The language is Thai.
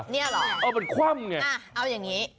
นี่เหรอเออมันคว่ำไงเอาอย่างนี้